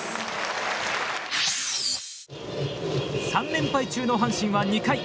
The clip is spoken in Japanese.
３連敗中の阪神は２回。